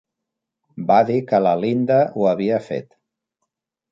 Va dir que la Linda ho havia fet!